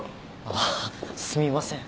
ああすみません。